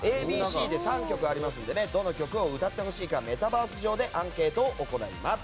ＡＢＣで３曲ありますのでどの曲を歌ってほしいかメタバース上でアンケートを行います。